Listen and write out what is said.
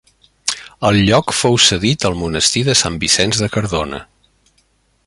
El lloc fou cedit al monestir de Sant Vicenç de Cardona.